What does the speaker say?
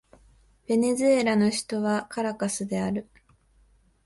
ベネズエラの首都はカラカスである